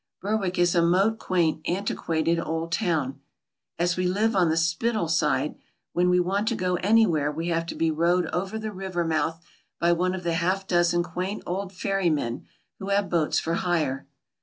Berwick is a most quaint, antiquated old town. As we live on the Spittal side, when we want to go anywhere we have to be rowed over the river mouth by one of the half dozen quaint old ferrymen who have boats for hire.